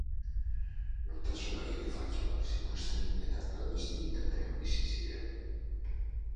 Nortasun agiri faltsuak zituzten eta klandestinitatean bizi ziren.